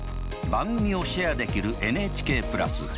番組をシェアできるＮＨＫプラス。